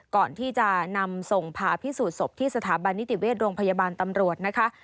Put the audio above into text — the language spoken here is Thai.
ก่อนที่จะนำส่งผ่าพิสูจนศพที่สถาบันนิติเวชโรงพยาบาลตำรวจนะคะ